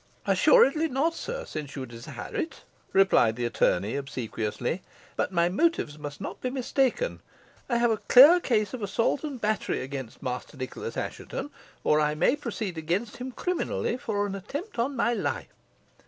"Assuredly not, sir, since you desire it," replied the attorney, obsequiously. "But my motives must not be mistaken. I have a clear case of assault and battery against Master Nicholas Assheton, or I may proceed against him criminally for an attempt on my life."